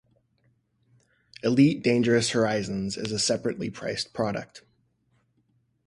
"Elite Dangerous Horizons" is a separately priced product.